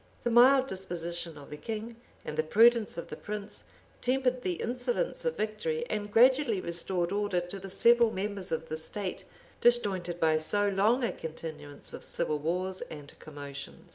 The mild disposition of the king, and the prudence of the prince, tempered the insolence of victory and gradually restored order to the several members of the state, disjointed by so long a continuance of civil wars and commotions.